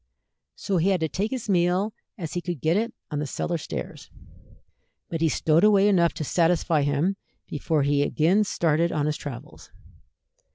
So he had to take his meal as he could get it on the cellar stairs, but he stowed away enough to satisfy him before he again started on his travels.